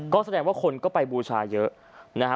ก็แสดงว่าคนก็ไปบูชาเยอะนะฮะ